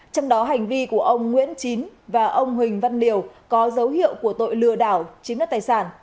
trong đó hành vi của ông nguyễn chín và ông huỳnh văn điều có dấu hiệu của tội lừa đảo chiếm đất tài sản